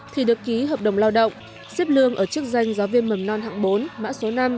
thì được ký hợp đồng lao động xếp lương ở chức danh giáo viên mầm non hạng bốn mã số năm